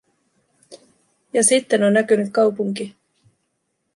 Ja sitten on näkynyt kaupunki.